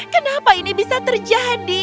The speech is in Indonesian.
kenapa ini bisa terjadi